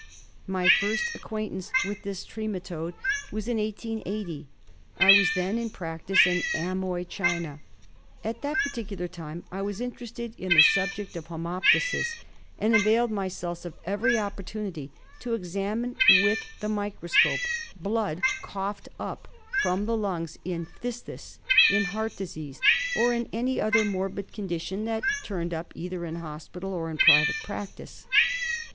My first acquaintance with this trematode was in 1880. I was then in practice in Amoy, China. At that particular time I was interested in the subject of haemoptysis, and availed myself of every opportunity 44 ENDEMIC HEMOPTYSIS. to examine with the microscope blood coughed up from the lungs in phthisis, in heart disease, or in any other morbid condition that turned up either in hospital or in private practice.